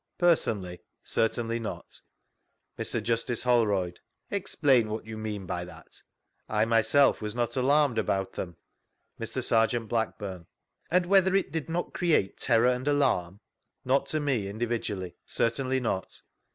— Personally, certainly not. vGoogIc 4a THREE ACCOUNTS OF PETERLOO Mr. Justice Holroyd : Explain what you mean by that ?— I myself was not alarmed about tbem. Mr. Serjeant Blackburne: And whether it did not create terrwr and alarm?— Not to me in dividually, certainly not.